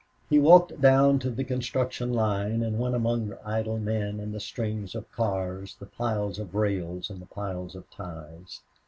He walked down to the construction line and went among the idle men and the strings of cars, the piles of rails and the piles of ties.